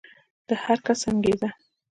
د هر کس انګېزه